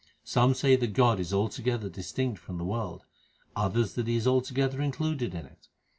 Some say that God is altogether distinct from the world ; others that He is altogether included in it.